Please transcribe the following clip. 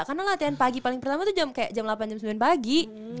karena latihan pagi paling pertama tuh kayak jam delapan jam sembilan pagi